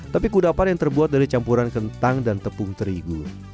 tapi kudapan yang terbuat dari campuran kentang dan tepung terigu